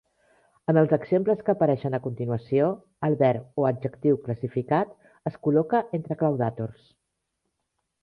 En els exemples que apareixen a continuació, el verb o adjectiu classificat es col·loca entre claudàtors.